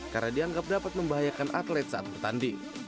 karena dianggap dapat membahayakan atlet saat bertanding